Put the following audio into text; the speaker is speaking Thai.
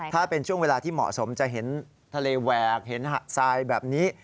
ถ้าเป็นช่วงเวลาที่เหมาะสมจะเห็นทะเลแหวกเห็นหะทรายแบบนี้